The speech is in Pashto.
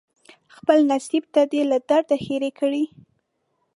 خپل نصیب ته دې له درده ښیرې کړي